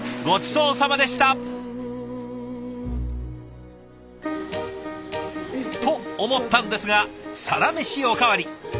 ごちそうさまでした！と思ったんですがサラメシおかわり！